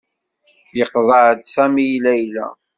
Yeqḍa-d Sami i Layla.